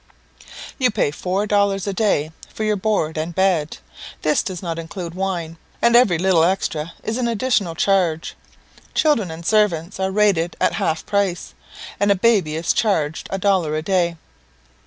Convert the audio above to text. You pay four dollars a day for your board and bed; this does not include wine, and every little extra is an additional charge. Children and servants are rated at half price, and a baby is charged a dollar a day.